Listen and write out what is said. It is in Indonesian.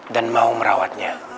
dan mau merawatnya